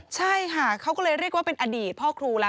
ใช่ค่ะเขาก็เลยเรียกว่าเป็นอดีตพ่อครูแล้ว